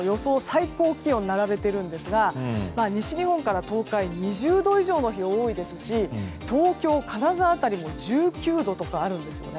最高気温並べているんですが西日本から東海、２０度以上の日多いですし東京、金沢辺りも１９度とかあるんです。